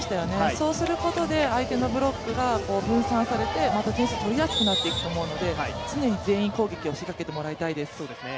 そうすることで、相手のブロックが分散されてまた点数取りやすくなってくるので、常に全員攻撃を仕掛けてもらいたいです。